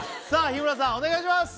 日村さんお願いします！